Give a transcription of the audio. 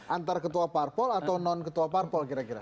antar ketua parpol atau non ketua parpol kira kira